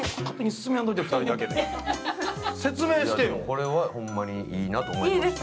これは、ほんまにいいなと思いました。